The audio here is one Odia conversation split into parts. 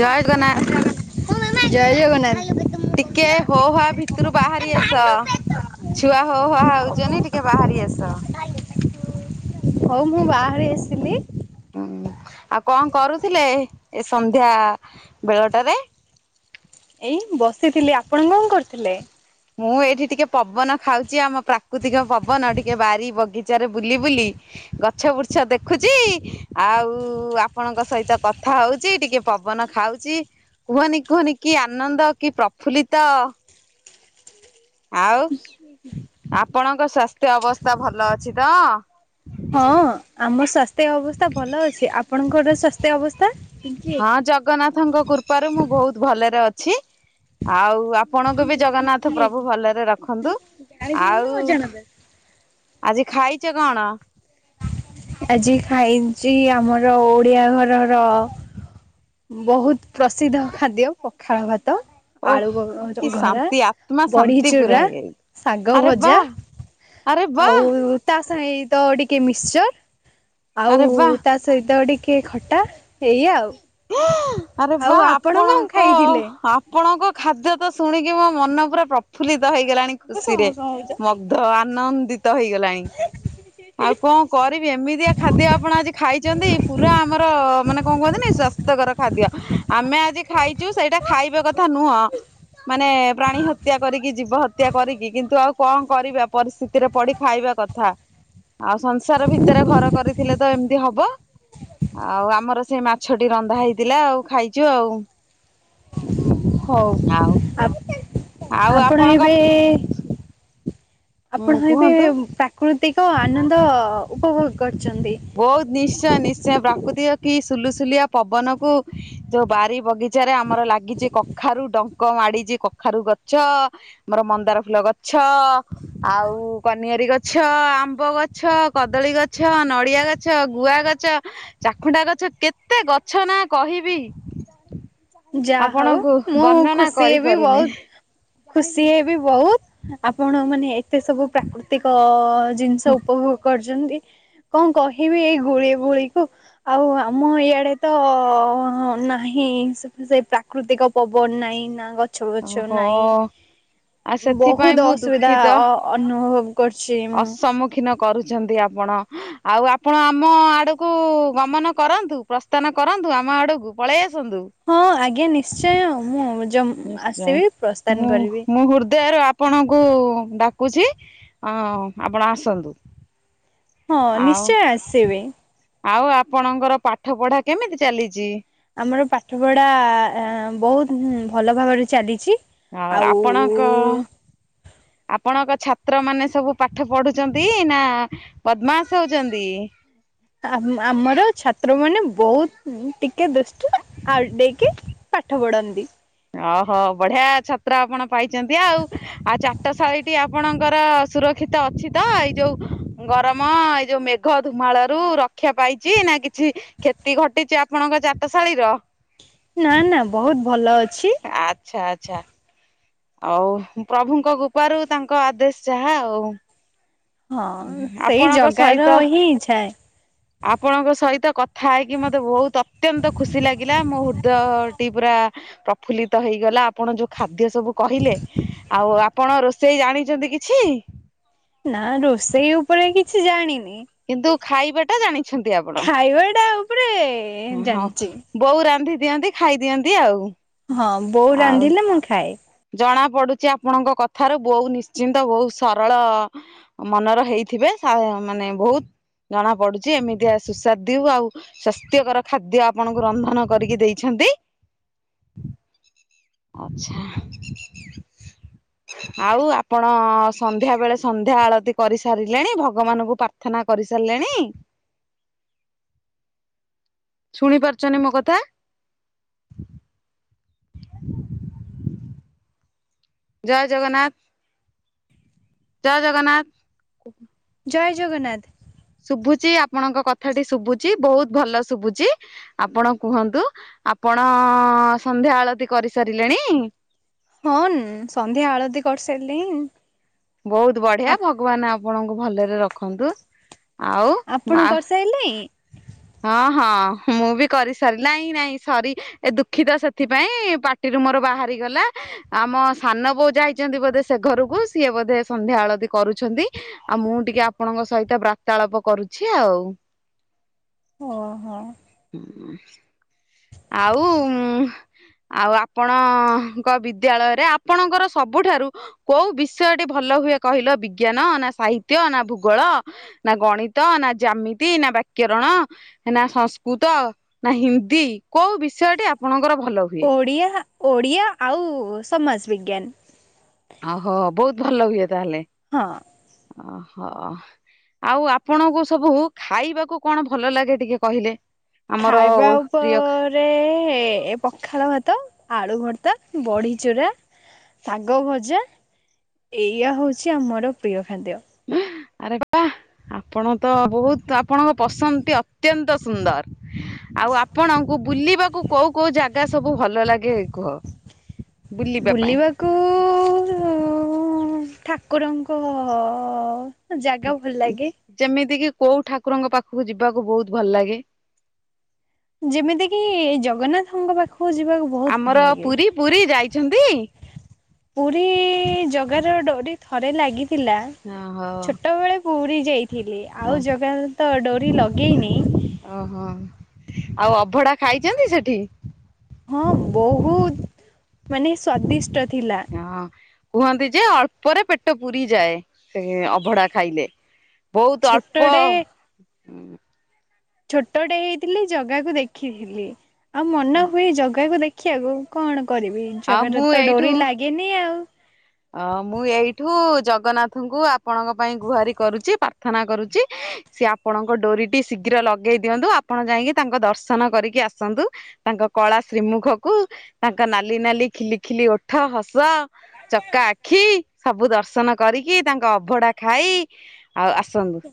ଜୟ ଗନ୍ନାଥ। ଜୟ ଜଗନ୍ନାଥ। ଟିକେ ହୋ ହା ଭିତରୁ ବାହାରି ଆସ। ଛୁଆ ହୋ ହା ହଉଛନ୍ତି ଟିକେ ବାହାରି ଆସ। ହଉ ମୁଁ ବାହାରି ଆସିଲି। ହୁଁ ଆଉ କଣ କରୁଥିଲେ ଏ ସନ୍ଧ୍ୟା ବେଳଟାରେ? ଏଇ ବସିଥିଲି। ଆପଣ କଣ କରିଥିଲେ? ମୁଁ ଏଇଠି ଟିକେ ପବନ ଖାଉଛି। ଆମ ପ୍ରାକୃତିକ ପବନ ଟିକେ ବାରି ବଗିଚାରେ ବୁଲି ବୁଲି ଗଛ ବୁର୍ଚ୍ଛ ଦେଖୁଛି। ଆଉ ଆପଣଙ୍କ ସହିତ କଥା ହଉଛି। ଟିକେ ପବନ ଖାଉଛି। କୁହନି କୁହନି କି ଆନନ୍ଦ କି ପ୍ରଫୁଲ୍ଲିତ ଆଉ ଆପଣଙ୍କ ସ୍ୱାସ୍ଥ୍ୟ ଅବସ୍ଥା ଭଲ ଅଛି ତ? ହଁ ଆମ ସ୍ୱାସ୍ଥ୍ୟ ଅବସ୍ଥା ଭଲ ଅଛି। ଆପଣଙ୍କର ସ୍ୱାସ୍ଥ୍ୟ ଅବସ୍ଥା? ହଁ ଜଗନ୍ନାଥଙ୍କ କୃପାରୁ ମୁଁ ବହୁତ ଭଲରେ ଅଛି। ଆଉ ଆପଣଙ୍କୁ ବି ଜଗନ୍ନାଥ ପ୍ରଭୁ ଭଲରେ ରଖନ୍ତୁ। ଆଉ ଆଜି ଖାଇଛ କଣ? ଆଜି ଖାଇଚି ଆମର ଓଡିଆ ଘରର ବୋହୁତ୍ ପ୍ରସିଦ୍ଧ ଖାଦ୍ୟ ପଖାଳ ଭାତ ଓଃ ଆଳୁ କି ବଘରା, ଶାନ୍ତି ଆତ୍ମା ବଡ଼ି ଶାନ୍ତି ପୁରା ଚୁରା, ହେଇଯାଇଛି। ଶାଗ ଆରେ ବା ଭଜା ଆରେ ବା ଆଉ ତା ସାହିତ ଟିକେ ମିକ୍ସଚର ଆଉ ଆରେ ବା ତା ସହିତ ଟିକେ ଖଟା, ଏଇଆ ଆଉ। ୱା ଆରେ ଆଉ ବାଃ ଆପଣ କଣ ଆପଣଙ୍କ ଖାଇଥିଲେ? ଆପ ଆପଣଙ୍କ ଖାଦ୍ୟ ତ ଶୁଣିକି ମୋ ମନ ପୁରା ପ୍ରଫୁଲ୍ଲିତ ହେଇଗଲାଣି ତମେ ଖୁସିରେ। ସଁ ସଁ ତ ଆନନ୍ଦିତ ହେଇଗଲାଣି। ହ [inaudible] ଆଉ କଣ କରିବି ଏମିତିଆ ଖାଦ୍ୟ ଆପଣ ଆଜି ଖାଇଛନ୍ତି ପୁରା ଆମର ମାନେ କଣ କୁହନ୍ତିନି ସ୍ୱାସ୍ଥ୍ୟ ପ୍ରତ୍ୟକର ଖାଦ୍ୟ ଆମେ ଆଜି ଖାଇଛୁ ସେଇଟା ଖାଇବା କଥା ନୁହଁ ମାନେ ପ୍ରାଣୀ ହତ୍ୟା କରିକି ଜୀବ ହତ୍ୟା କରିକି କିନ୍ତୁ ଆଉ କଣ କରିବା ପରିସ୍ଥିତିରେ ପଡି ଖାଇବା କଥା। ଆଉ ସଂସାର ଭିତରେ ଘର କରିଥିଲେ ତ ଏମିତି ହବ। ଆଉ ଆମର ସେଇ ମାଛଟି ରନ୍ଧା ହେଇଥିଲା ଆଉ ଖାଇଛୁ ଆଉ। ହଉ। ଆଉ ଆଉ ଆପ-ଆପଣ ଆପଣଙ୍କ ଏବେ ଉଁ ଆପଣ ଏବେ କୁହନ୍ତୁ ପ୍ରାକୃତିକ ଆନନ୍ଦ ଉପଭୋଗ କରିଛନ୍ତି। ବୋହୁତ୍ ନିଶ୍ଚୟ, ନିଶ୍ଚୟ ପ୍ରକୃତିକ କି ସୁଲୁସୁଲିଆ ପବନକୁ, ଯୋଉ ବାରି ବଗି ଚାରେ, ଆମର ଲାଗିଛି କଖାରୁ ଡଙ୍କ ମାଡିଛି କଖାରୁ ଗଛ ଆମର ମନ୍ଦାର ଫୁଲ ଗଛ ଆଉ କନିଅରୀ ଗଛ, ଆମ୍ବ ଗଛ, କଦଳୀ ଗଛ ନଡିଆ ଗଛ, ଗୁଆ ଗଛ, ଚାଖୁଣ୍ଡା ଗଛ, କେତେ ଗଛ ନା କହିବି? ଯାହା ଆପଣଙ୍କୁ ହୋଉ ମୁଁ ବର୍ଣ୍ଣନା ଖୁସି ହେବି କରିପାରୁନି ବୋହୁତ୍ ଖୁସି ହେବି ବୋହୁତ୍। ଆପଣ ମାନେ ଏ ଏତେ ସବୁ ପ୍ରାକୃତିକ ଜିନିଷ ଉପଭୋଗ କରୁଛନ୍ତି। କଣ କହିବି ଏଇ ଗୁଳି ବୁଳି କୁ? ଆଉ ଆମ ଇଆଡେ ତ ନାହିଁ ସେ ସେ ପ୍ରାକୃତିକ ପବନ ନାଇଁ ନା ଗ ଗଛ ବଛ ଓହୋ ନାହିଁ। ଆଉ ସେଥିପାଇଁ ବୋହୁତ୍ ମୁଁ ଅସୁବିଧା ଅନୁଭବ କରୁଛି। ମୁଁ। ଅସମୁଖୀନ କରୁଛନ୍ତି ଆପଣ? ଆଉ ଆପଣ ଆମ ଆଡକୁ ଗମନ କରନ୍ତୁ। ପ୍ରସ୍ଥାନ କରନ୍ତୁ। ଆମ ଆଡକୁ ପଳେଇ ଆସନ୍ତୁ। ହଁ ଆଜ୍ଞା ନିଶ୍ଚୟ ମୁଁ ନିଶ୍ଚୟ। ଆସିବି ପ୍ରସ୍ଥାନ ମୁଁ, କରିବି। ମୁଁ ହୃଦ୍ଦୟର ଆ ଆପଣଙ୍କୁ ଡାକୁଛି ଆପଣ ଆସନ୍ତୁ। ହଁ ଆଉ ନିଶ୍ଚୟ ଆସିବି। ଆଉ ଆପଣଙ୍କର ପାଠ ପଢା କେମିତି ଚାଲିଛି? ଆମର ପାଠ ପଢା ବୋହୁତ୍ ଭଲ ଭାବରେ ଚାଲିଛି। ଆଉ ଆପଣଙ୍କ ଛାତ୍ର ମାନେ ସବୁ ପାଠ ପଢୁଛନ୍ତି ନା ବଦମାସ୍ ହଉଛନ୍ତି। ଆମ୍ ଆମର ଛାତ୍ର ମାନେ ବହୁତ ଟିକେ ଦୃଷ୍ଟ ଆଉ ଟିକେ ପାଠ ପଢ଼ନ୍ତି। ଓହୋ ବଢିଆ ଛାତ୍ର ଆପଣ ପାଇଛନ୍ତି ଆଉ। ଆଉ ଚାଟଶାଳୀଟି ଆପଣଙ୍କର ସୁରକ୍ଷିତ ଅଛି ତ ଏଇ ଯୋଉ ଗରମ ଏଇ ଯୋଉ ମେଘ ଧୁମାଳରୁ ରକ୍ଷା ପାଇଛି ନା କିଛି କ୍ଷତି ଘଟିଛି ଆପଣଙ୍କ ଚାଟଶାଳୀର? ନା ନା ବହୁତ ଭଲ ଅଛି। ଆଚ୍ଛା ଆଚ୍ଛା। ଆଉ ପ୍ରଭୁଙ୍କ କୃପାରୁ ତାଙ୍କ ଆଦେଶ ଯାହା ଆଉ। ହଁ ସେଇ ଆପଣଙ୍କ ଜଗାର ସହିତ ହିଁ ଇଚ୍ଛାଏ। ଆପଣଙ୍କ ସହିତ କଥା ହେଇକି ମତେ ବହୁତ ଅତ୍ୟନ୍ତ ଖୁସି ଲାଗିଲା ମୋ ହୃଦୟଟି ପୁରା ପ୍ରଫୁଲ୍ଲିତ ହେଇଗଲା ଆପଣ ଯୋଉ ଖାଦ୍ୟ ସବୁ କହିଲେ ଆଉ ଆପଣ ରୋଷେଇ ଜାଣିଛନ୍ତି କିଛି? ନା ରୋଷେଇ ଉପରେ କିଛି ଜାଣିନି। କିନ୍ତୁ ଖାଇବା ଟା ଜାଣିଛନ୍ତି ଆପଣ? ଖାଇବା ଟା ଉପରେ ହଁ ଜାଣିଛି ବୋଉ ରାନ୍ଧି ଦିଅନ୍ତି ଖାଇଦିଅନ୍ତି ଆଉ। ହଁ ବୋଉ ଆଉ ରାନ୍ଧିଲେ ମୁଁ ଖାଏ। ଜଣା ପଡୁଛି ଆପଣଙ୍କ କଥାରୁ ବଉ ନିଶ୍ଚିନ୍ତ ବହୁତ ସରଳ ମନର ହେଇଥିବେ ଆ ମାନେ ବହୁତ ଜଣା ପଡୁଛି ଏମିତିଆ ସୁସ୍ୱାଦୁ ଆଉ ସ ନୃତ୍ୟକର ଖାଦ୍ୟ ଆପଣଙ୍କୁ ରନ୍ଧନ କରିକି ଦେଇଛନ୍ତି। ଆଚ୍ଛା। ହ ଆଉ ଆପଣ ସନ୍ଧ୍ୟା ବେଳେ ସନ୍ଧ୍ୟା ଆଳତି କରିସାରିଲେଣି ଭଗବାନଙ୍କୁ ପ୍ରା ପ୍ରାର୍ଥନା କରିସାରିଲେଣି? ଶୁଣି ପାରୁଛନ୍ତି ମୋ କଥା? [inaudible] ଜୟ ଜଗନ୍ନାଥ। ଜୟ ଜଗନ୍ନାଥ। ଜୟ ଜଗନ୍ନାଥ। ଶୁଭୁଛି ଆପଣଙ୍କ କଥାଟି ଶୁଭୁଛି ବହୁତ ଭଲ ଶୁଭୁଛି। ଆପଣ କୁହନ୍ତୁ ଆପଣ ସନ୍ଧ୍ୟା ଆଳତି କରିସାରିଲେଣି? ହଁ ସନ୍ଧ୍ୟା ଆଳତି କରିସାରିଲିନି। ବହୁତ ବଢିଆ ଭଗବାନ ଆପଣଙ୍କୁ ଭଲରେ ରଖନ୍ତୁ। ଆଉ ଆପଣ କରିସାଇଲେଇଁ? ହଁ ହଁ ମୁଁ ବି କରି ସାରିଲିହିଁ ନାଇଁ ସରି ଏ ଦୁଃଖିତ ସେଥିପାଇଁ ପା ଟିରୁ ମୋର ବାହାରି ଗଲା। ଆମ ସାନ ବୋଉ ଯାଇଛନ୍ତି ବୋଧେ ସେ ଘରକୁ ସିଏ ବୋଧେ ସନ୍ଧ୍ୟା ଆଳତି କରୁଛନ୍ତି। ଆଉ ମୁଁ ଟିକେ ଆପଣଙ୍କ ସହିତ ବାର୍ତ୍ତାଳାପ କରୁଛି ଆଉ। ହଁ। ଆଉ ଆଉ ଆପଣଙ୍କ ବିଦ୍ୟାଳୟରେ ଆପଣଙ୍କର ସବୁଠାରୁ କୋଉ ବିଷୟଟି ଭଲ ହୁଏ କହିଲ ବିଜ୍ଞାନ ନା ସାହିତ୍ୟ ନା ଭୂଗୋଳ ନା ଗଣିତ ନା ଜ୍ୟାମିତି ନା ବାକ୍ୟରଣ ନା ସଂସ୍କୃ ସ୍କୃତ ନା ହିନ୍ଦୀ କୋଉ ବିଷୟଟି ଆପଣଙ୍କର ଭଲ ହୁଏ? ଓଡ଼ିଆ ଓଡ଼ିଆ ଆଉ ସମାଜ ବିଜ୍ଞାନ। ଓହୋ ବହୁତ ଭଲ ହୁଏ ତାହେଲେ। ହଁ। ଅ ହ। ଆଉ ଆପଣଙ୍କୁ ସବୁ ଖାଇବାକୁ କଣ ଭଲ ଲାଗେ ଟିକେ କହିଲେ? ଆମର ଓ ପ୍ରିୟ ରେ ପଖାଳ ଭାତ ଆଳୁ ଭର୍ତ୍ତା ବଢି ଚୋରା ଶାଗ ଭଜା ଏଇୟଆ ହଉଛି ଆମର ପ୍ରିୟ ଖାଦ୍ୟ। ଆ ଆରେ ବା। ଆପଣ ତ ବହୁତ ଆପଣଙ୍କ ପସନ୍ଦଟି ଅତ୍ୟନ୍ତ ସୁନ୍ଦର। ଆଉ ଆପଣଙ୍କୁ ବୁଲିବାକୁ କୋଉ କୋଉ ଜାଗା ସବୁ ଭଲ ଲାଗେ ଏ କୁହ? ବୁଲିବା ପାଇଁ ବୁଲିବାକୁ ଠାକୁରଙ୍କ ଜାଗା ଭଲ ଲାଗେ। ଯେମିତି କିି କୋଉ ଠାକୁରଙ୍କ ପାଖକୁ ଯିବାକୁ ବହୁତ ଭଲ ଲାଗେ? ଯେମିତି କିି ଜଗନ୍ନାଥଙ୍କ ପାଖକୁ ଯିବାକୁ। ବହୁତ ଭଲ ଆମର ଲାଗେ ପୁରୀ ପୁରୀ ଯାଇଛନ୍ତି? ପୁରୀ ଜଗାର ଡୋରି ଥରେ ଲାଗିଥିଲା ଓହୋ ଛୋଟବେଳେ ପୁରୀ ଯାଇଥିଲି ଆଉ ଜଗା ତ ଡୋରି ଲଗେଇନି ଓହୋ ଆଉ ଅଭଡ଼ା ଖାଇଛନ୍ତି ସେଠି? ହଁ ବହୁତ ମାନେ ସ୍ଵାଦିଷ୍ଟ ଥିଲା। ହଁ କୁହନ୍ତି ଯେ ଅଳ୍ପରେ ପେଟ ପୁରିଯାଏ। ସେ ଅଭଢା ଖାଇଲେ ବହୁତ ଅଳ୍ପ ଛୋଟଟେ ଛୋଟଟେ ହେଇଥିଲି ଜଗାକୁ ଦେଖିଥିଲି ଆଉ ମନ ହୁଏ ଜ ଜଗାକୁ ଦେଖିବାକୁ କଣ କରିବି ଆଉ ଜଗାର ମୁଁ ତ ଏଇଠୁ ଡୋରି ଲାଗେନି ଆଉ। ଅ ମୁଁ ଏଇଠୁ ଜଗନ୍ନାଥଙ୍କୁ ଆପଣଙ୍କ ପାଇଁ ଗୁହାରି କରୁଛି ପା ପ୍ରାର୍ଥନା କରୁଛି ସିଏ ଆପଣଙ୍କ ଡୋରିଟି ଶୀଘ୍ର ଲଗେଇ ଦିଅନ୍ତୁ ଆପଣ ଯାଇକି ତାଙ୍କ ଦର୍ଶନ କରିକି ଆସନ୍ତୁ। ତାଙ୍କ କଳା ଶ୍ରୀମୁଖକୁ ତାଙ୍କ ନାଲି ନାଲି ଖିଲି ଖିଲି ଓଠ ହସ ଚକା ଆଖି ସବୁ ଦର୍ଶନ କରିକି ତାଙ୍କ ଅଭଢା ଖାଇ ଆଉ ଆସନ୍ତୁ। [unintelligible]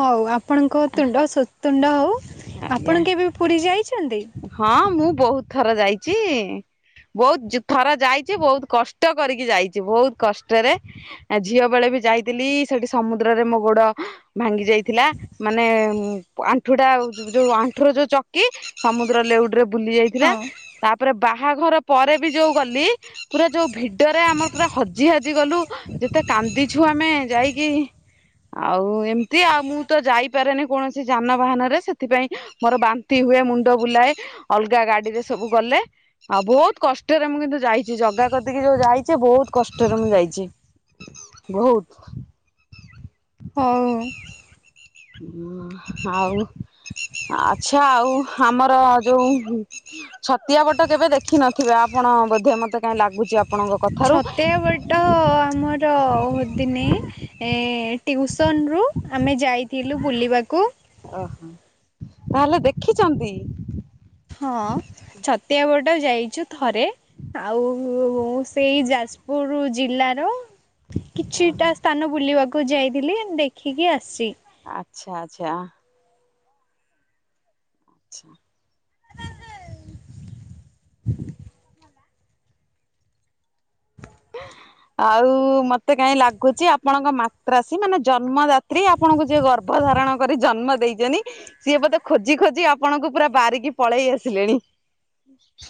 ହଉ ଆ ଆପଣଙ୍କ ତୁଣ୍ଡ ଶୁତୁଣ୍ଡ ହେଉ, ଆଜ୍ଞା ଆପଣ କେବେ ପୁରୀ ଯାଇଛନ୍ତି? ହଁ ମୁଁ ବହୁତ ଥର ଯାଇଚି। ବହୁତ ଜ ଥର ଯାଇଛି ବହୁତ କଷ୍ଟ କରିକି ଯାଇଛି। ବହୁତ କଷ୍ଟରେ ଆ ଝିଅ ବେଳେ ବି ଯାଇଥିଲି, ସେଠି ସମୁଦ୍ରରେ ମୋ ଗୋଡ ଭାଙ୍ଗି ଯାଇଥିଲା। ମାନେ ଆଣ୍ଠୁ ଟା ଯୋଉ ଆଣ୍ଠୁ ର ଯୋଉ ଚକି, ସମୁଦ୍ର ଲେଉଡ ରେ ବୁଲି ଯାଇ ଥିଲା, ହଁ ତାପରେ ବାହାଘର ପରେ ବି ଯୋଉ ଗଲି ପୁରା ଯୋଉ ଭିଡରେ ଆମର ପୁରା ହଜି ହାଜି ଗଲୁ ଯେତେ କାନ୍ଦିଛୁ ଆମେ ଯାଇକି, ଆଉ ଏମିତି ଆଉ ମୁଁ ତ ଯାଇପାରେନି କୌଣସି ଯାନବାହାନ ରେ, ସେଥିପାଇଁ ମୋର ବାନ୍ତି ହୁଏ ମୁଣ୍ଡ ବୁଲାଏ ଅଲଗା ଗାଡିରେ ସବୁ ଗଲେ ଆଉ ବହୁତ କଷ୍ଟରେ ମୁଁ କିନ୍ତୁ ଯାଇଛି। ଜଗା କତିକି ଯୋଉ ଯାଇଛି ବହୁତ କଷ୍ଟରେ ମୁଁ ଯାଇଛି। ବହୁତ ହଉ। ଉଁ ଆଉ ଆଛା ଆଉ ଆମର ଯୋଉ ଛତିଆ ବଟା କେବେ ଦେଖିନଥିବେ, ଆପଣ ବୋଧେ ମତେ କାହିଁ ଲାଗୁଛି ଆ ଛତିଆ ବଟ ଆମର ହୁଦିନି ଏ ଟିଉସନ ରୁ ଆମେ ଯାଇଥିଲୁ ବୁଲିବାକୁ ଓହୋ ତାହେଲେ ଦେଖିଛନ୍ତି? ହଁ ଛତିଆ ବଟା ଯାଇଛୁ ଥରେ ଆଉ ସେଇ ଯାଜପୁର ଜିଲ୍ଲାର କିଛିଟା ଓହୋ ସ୍ଥାନ ବୁଲିବାକୁ ଯାଇଥିଲି ଦେଖିକି ଆସିଚି। ଆଚ୍ଛା ଆଚ୍ଛା। ଆଚ୍ଛା। [inaudible] ଆଉ ମତେ କାହିଁ ଲାଗୁଚି ଆପଣଙ୍କ ମାତ୍ରାସୀ ମାନେ ଜନ୍ମଦାତ୍ରୀ। ଆପଣଙ୍କୁ ଯିଏ ଗର୍ଭ ଧାରଣ କରି ଜନ୍ମ ଦେଇଛନ୍ତି। ସିଏ ବୋଧେ ଖୋଜି ଖୋଜି ଆପଣଙ୍କୁ ପୁରା ବାରିକି ପଳେଇ ଆସିଲେଣି।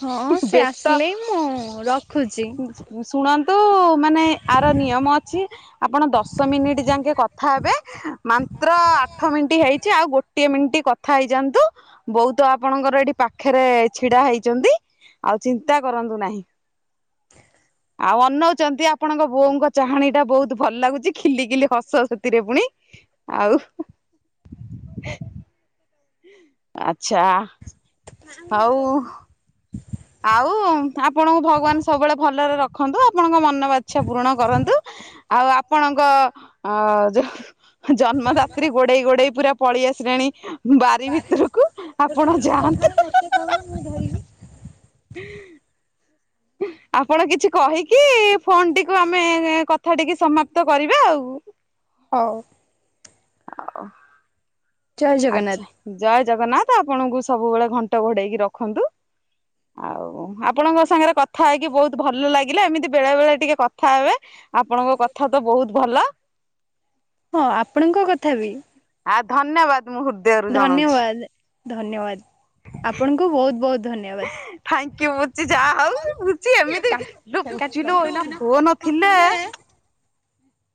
ହଁ ସେ ବେସ୍ତ। ଆସିଲେ ମୁଁ ରଖୁଛି। ଶୁଣନ୍ତୁ, ମାନେ ଆର ନିୟମ ଅଛି ଆପଣ ଦଶ ମିନିଟ୍ ଯାକେ କଥା ହେବେ। ମାତ୍ର ଆଠ ମିନିଟ୍ ହେଇଛି। ଆଉ ଗୋଟିଏ ମିନିଟ୍ କଥା ହେଇଯାଆନ୍ତୁ। ବୋଉ ତ ଆପଣଙ୍କର ଏଠି ପାଖରେ ଛିଡା ହେଇଛନ୍ତି। ଆଉ ଚିନ୍ତା କରନ୍ତୁ ନାହିଁ। ଆଉ ଅନଉଛନ୍ତି, ଆପଣଙ୍କ ବୋଉଙ୍କ ଚାହାଣୀ ଟା ବହୁତ ଭଲ ଲାଗୁଛି। ଖିଲିକିଲି ହସ ସେଥିରେ ପୁଣି। ଆଉ ଆଚ୍ଛା। ଆଉ। ଆଉ ଆପଣଙ୍କୁ ଭଗବାନ ସବୁବେଳେ ଭଲରେ ରଖନ୍ତୁ ଆପଣଙ୍କ ମନ ବାଚ୍ଛା ପୂରଣ କରନ୍ତୁ। ଆଉ ଆପଣଙ୍କ ଅ ଯୋଉ ଜନ୍ମଦାତ୍ରୀ ଗୋଡେଇ ଗୋଡେଇ ପୁରା ପଳେଇ ଆସିଲାଣି ବାରି ଭିତରକୁ। ଆପଣ ଯାଆନ୍ତୁ। ସେ ଦଉନା ମୁଁ ଧରିବି। [inaudible] ଆପଣ କିଛି କହିକି ଫୋନ ଟିକୁ ଆମେ କଥା ଟିକେ ସମାପ୍ତ କରିବା ଆଉ। ହଉ। ଆଉ। ଜୟ ଜଗନ୍ନାଥ। ଆଚ୍ଛା ଜୟ ଜଗନ୍ନାଥ, ଆପଣଙ୍କୁ ସବୁବେଳେ ଘଣ୍ଟ ଘୋଡେଇକି ରଖନ୍ତୁ। ଆଉ ଆପଣଙ୍କ ସାଙ୍ଗରେ କଥା ହେଇକି ବହୁତ ଭଲ ଲାଗିଲା। ଏମିତି ବେଳେ ବେଳେ ଟିକେ କଥା ହେବେ। ଆପଣଙ୍କ କଥା ତ ବହୁତ ଭଲ। ହଁ ଆପଣଙ୍କ କଥା ବି? ଆ ଧନ୍ୟବାଦ ମୁହୁନ ଧନ୍ୟବାଦ ଧନ୍ୟବାଦ, ଆପଣଙ୍କୁ ବହୁତ ବହୁତ ଧନ୍ୟବାଦ। ଥାଙ୍କ ୟୁ ବୁଚି ଯାଆ ଆଉ ବୁଚି ଏମିତି ଲୁ କାଟିଲ ବୁଚିଲୁ ଏଇନା ଫୋନ ଥିଲେ କାଟିଲ।